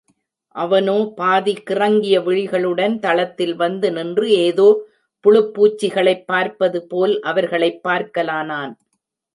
அவனோ பாதி கிறங்கிய விழிகளுடன் தளத்தில் வந்து நின்று ஏதோ புழுப் பூச்சிகளைப் பார்ப்பதுபோல் அவர்களைப் பார்க்கலானான்.